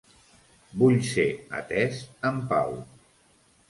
Vull ser atés en pau.